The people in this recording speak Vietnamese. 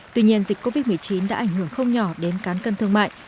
tuy nhiên dịch covid một mươi chín đã ảnh hưởng không nhỏ đến cán cân thương mại